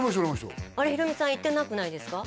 あれヒロミさん行ってなくないですか？